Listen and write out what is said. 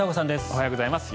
おはようございます。